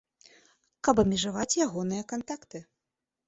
Каб абмежаваць ягоныя кантакты.